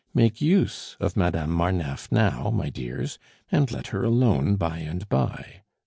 Make use of Madame Marneffe now, my dears, and let her alone by and by.